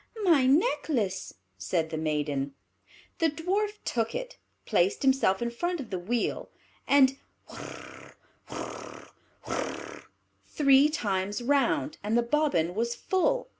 "My necklace," said the maiden. The Dwarf took it, placed himself in front of the wheel, and whirr, whirr, whirr, three times round, and the bobbin was full.